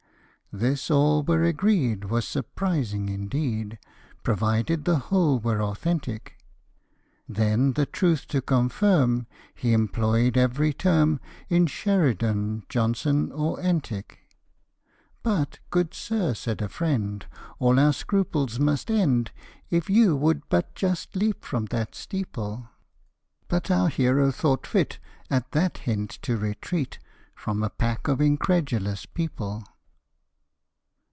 " This all were agreed, was surprising indeed, Provided the whole were authentic ; Then the truth to confirm, he employ'd ev'ry term In Sheridan, Johnsoti, or Entick. " But, good sir," said a friend, " all our scruples must end, If you would but just leap from that steeple;" The Man who had Travelled. The Dog & tlie Wolf. But our hero thought fit, at that hint to retreat From a pack of incredulous people.